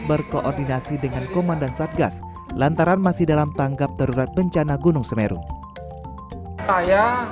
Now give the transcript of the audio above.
berkoordinasi dengan komandan satgas lantaran masih dalam tanggap darurat bencana gunung semeru saya